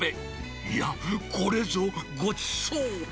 いや、これぞごちそう。